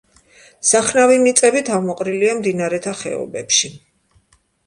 სახნავი მიწები თავმოყრილია მდინარეთა ხეობებში.